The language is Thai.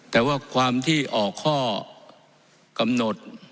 แต่ว่าความที่ออกข้อกำหนด